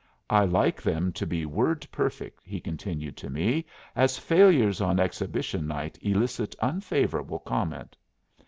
I like them to be word perfect," he continued to me, "as failures on exhibition night elicit unfavorable comment."